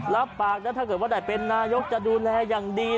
รับปากนะถ้าเกิดว่าได้เป็นนายกจะดูแลอย่างดี